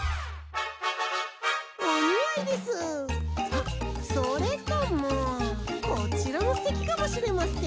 あっそれともこちらもすてきかもしれません。